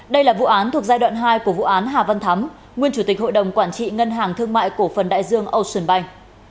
đây là vụ án thuộc giai đoạn hai của vụ án hà văn thắm nguyên chủ tịch hội đồng quản trị ngân hàng thương mại cổ phần đại dương ocean bank